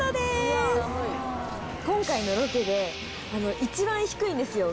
今回のロケで一番低いんですよ